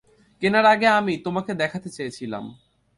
কেনার আগে আমি, তোমাকে দেখাতে চেয়েছিলাম।